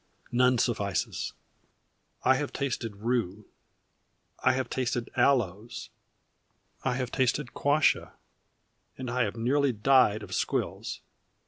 None suffices. I have tasted rue, I have tasted aloes, I have tasted quassia, and I have nearly died of squills.